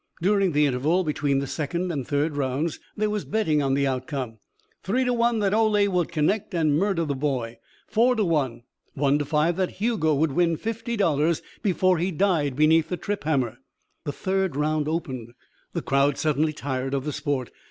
During the interval between the second and third rounds there was betting on the outcome. Three to one that Ole would connect and murder the boy. Four to one. One to five that Hugo would win fifty dollars before he died beneath the trip hammer. The third round opened. The crowd suddenly tired of the sport.